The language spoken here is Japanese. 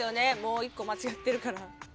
もう１個間違ってるから。